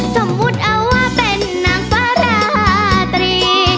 สมมุติเอาว่าเป็นนางฟ้าราตรี